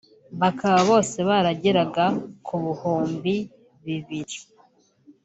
bakaba bose barageraga ku buhunbi bibiri